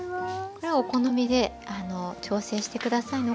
これはお好みで調整して下さいね。